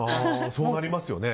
そうなりますよね。